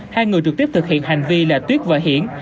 hai người trực tiếp thực hiện hành vi là tuyết và hiển